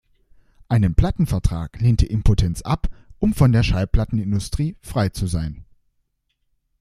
Einen Plattenvertrag lehnte Impotenz ab, um von der „Schallplattenindustrie frei zu sein“.